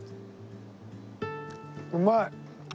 うまい！